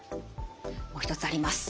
もう一つあります。